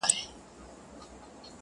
ځي له وطنه خو په هر قدم و شاته ګوري.